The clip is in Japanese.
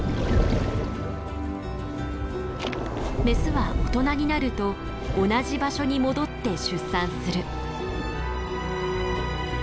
メスは大人になると同じ場所に戻って出産する。